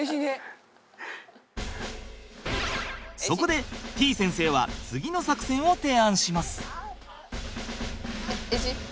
そこでてぃ先生は次の作戦を提案します。